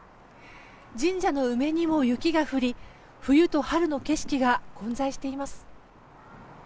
神社の梅にも雪が降り冬と春の景色が混在しています。